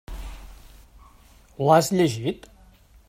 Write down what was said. L'has llegit?